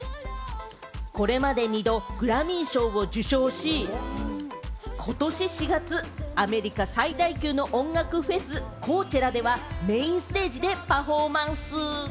これまで２度グラミー賞を受賞し、ことし４月、アメリカ最大級の音楽フェス・コーチェラではメインステージでパフォーマンス。